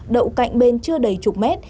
đậu cạnh bên chưa đầy chục mét